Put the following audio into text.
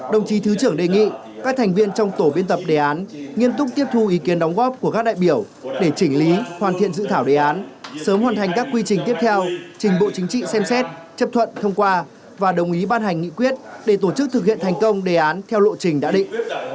đồng chí thứ trưởng đề nghị các thành viên trong tổ biên tập đề án nghiêm túc tiếp thu ý kiến đóng góp của các đại biểu để chỉnh lý hoàn thiện dự thảo đề án sớm hoàn thành các quy trình tiếp theo trình bộ chính trị xem xét chấp thuận thông qua và đồng ý ban hành nghị quyết để tổ chức thực hiện thành công đề án theo lộ trình đã định